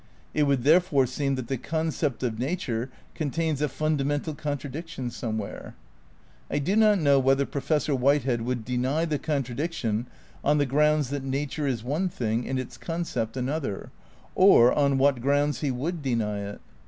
It would, therefore, seem that the concept of nature con tains a fundamental contradiction somewhere. I do not know whether Professor Whitehead would deny the contradiction on the grounds that nature is one thing and its concept another, or on what grounds he would deny it.